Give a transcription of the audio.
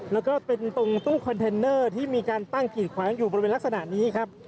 แล้วก็เป็นตรงตู้คอนเทนเนอร์ที่มีการตั้งกีดขวางอยู่บริเวณลักษณะนี้ครับ